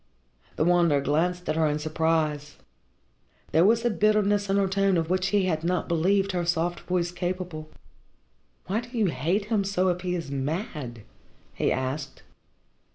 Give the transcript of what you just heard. The Wanderer glanced at her in surprise. There was a bitterness in her tone of which he had not believed her soft voice capable. "Why do you hate him so if he is mad?" he asked.